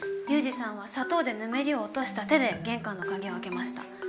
リュウジさんは砂糖でぬめりを落とした手で玄関の鍵を開けました。